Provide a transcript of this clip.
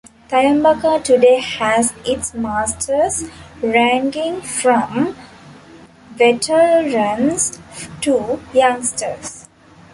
Thayambaka today has its masters ranging from veterans to youngsters.